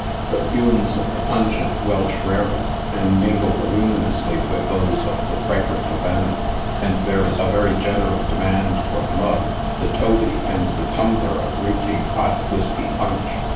The fumes of the pungent Welsh rarebit then mingle voluminously with those of the fragrant Havana, and there is a very general demand for the mug, the toby, and the tumbler of reeking hot whiskey punch.